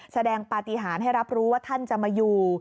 แสดงปฏิหารให้รับรู้ว่าท่านจะมาอยู่